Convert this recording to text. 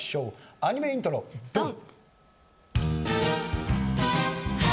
アニメイントロドン！